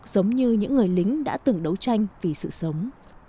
giống như những người lính đã từng đấu tranh vì sự sống